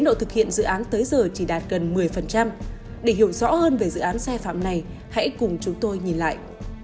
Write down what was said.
để hiểu rõ hơn về dự án xe phạm này hãy cùng chúng tôi nhìn lại